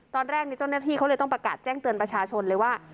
ตอนแรกเจ้าหน้าที่เขาเลยต้องประกาศแจ้งเตือนประชาชนเลยว่า